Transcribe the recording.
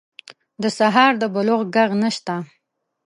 د سهار د بلوغ ږغ نشته